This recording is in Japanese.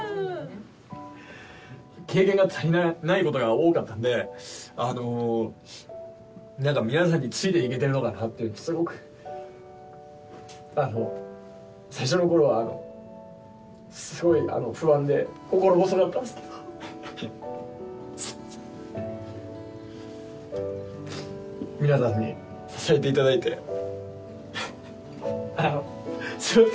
経験が足りないことが多かったんで何か皆さんについていけてるのかなってすごく最初の頃はすごい不安で心細かったんですけどすいません皆さんに支えていただいてすいません